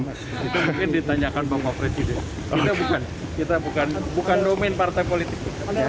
mungkin ditanyakan bapak presiden kita bukan nomin partai politik